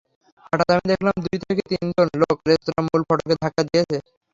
হঠাৎ আমি দেখলাম দুই থেকে তিনজন লোক রেস্তোরাঁর মূল ফটকে ধাক্কা দিচ্ছে।